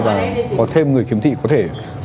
và có thêm người kiếm thị có thể